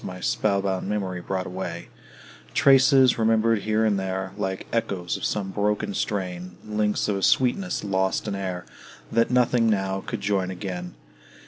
My spell bound memory brought away; Traces, remembered here and there, Like echoes of some broken strain; Links of a sweetness lost in air, That nothing now could join again.